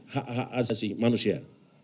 hak hak asasi manusia